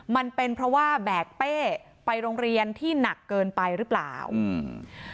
มันเป็นเพราะว่าแบกเป้ไปโรงเรียนที่หนักเกินไปหรือเปล่าอืม